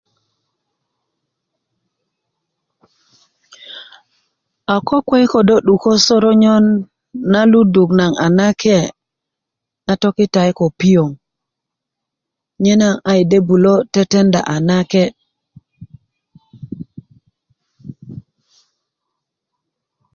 a kokuwe yi kodo 'duko soronyön na luduk naŋ a nake na tokitayi ko piöŋ nye na ayi de bulo tetenda a nake